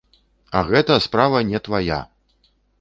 А гэта справа не твая!